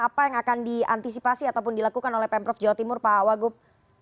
apa yang akan diantisipasi ataupun dilakukan oleh pemprov jawa timur pak wagub